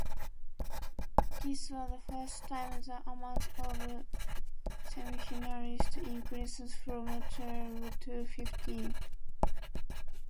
This was the first time the amount of semifinalists increased from twelve to fifteen.